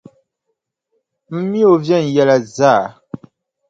M mi o viɛnyɛla zaa.